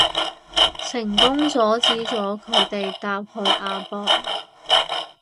成功阻止咗佢哋搭去亞博